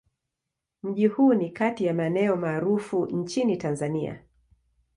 Mji huu ni kati ya maeneo maarufu nchini Tanzania.